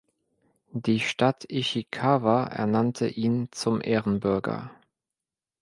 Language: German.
Die Stadt Ichikawa ernannte ihn zum Ehrenbürger.